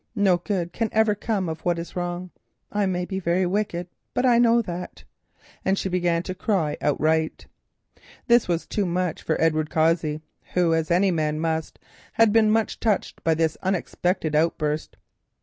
No good can ever come of what is wrong. I may be very wicked, but I know that——" and she began to cry outright. This was too much for Edward Cossey, who, as any man must, had been much touched by this unexpected outburst.